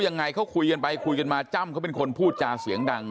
ยังไงเขาคุยกันไปคุยกันมาจ้ำเขาเป็นคนพูดจาเสียงดัง